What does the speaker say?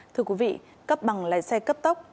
thưa quý vị cấp bằng lái xe cấp tốc